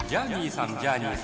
「ジャーニーさん